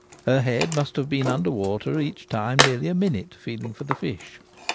Her head must have been under water each time nearly a minute, feeling for the fish.